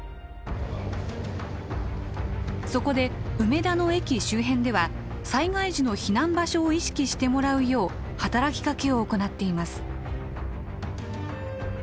そこで梅田の駅周辺では災害時の避難場所を意識してもらうよう働きかけを行っています。